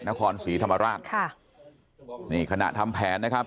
นครศรีธรรมราชค่ะนี่ขณะทำแผนนะครับ